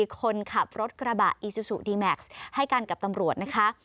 คนขับรถกระบะอีซูซูดีแม็กซ์ให้กันกับตำรวจนะคะ